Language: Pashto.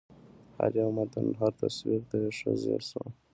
هر یو متن هر تصویر ته یې ښه ځېر شوم